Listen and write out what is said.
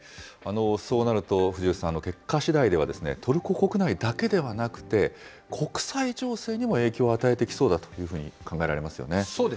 そうなると、さん、結果しだいではトルコ国内だけではなくて、国際情勢にも影響を与えてきそうだというふうに考えられますよね。